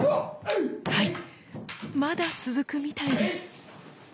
はいまだ続くみたいです。